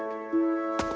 bukan saja itu